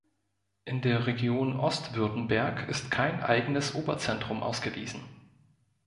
In der Region Ostwürttemberg ist kein eigenes Oberzentrum ausgewiesen.